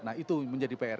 nah itu menjadi pr